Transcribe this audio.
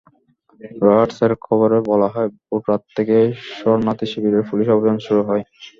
রয়টার্সের খবরে বলা হয়, ভোররাত থেকে শরণার্থীশিবিরে পুলিশের অভিযান শুরু হয়।